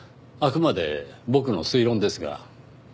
あくまで僕の推論ですが。